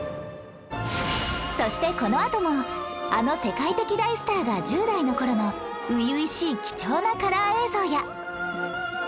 そしてこのあともあの世界的大スターが１０代の頃の初々しい貴重なカラー映像や